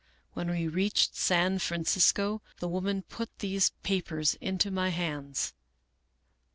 When we reached San Francisco, the woman put these pa pers into my hands."